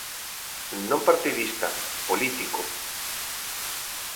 Non partidista, político.